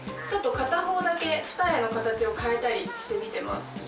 ちょっと片方だけ二重の形を変えたりしてみてます。